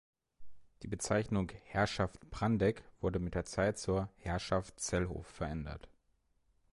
Die Bezeichnung "Herrschaft Prandegg" wurde mit der Zeit zur "Herrschaft Zellhof" verändert.